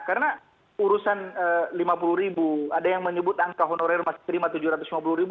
karena urusan rp lima puluh ada yang menyebut angka honorer masih terima rp tujuh ratus lima puluh